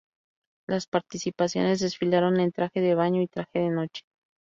Las participantes desfilaron en traje de baño y traje de noche.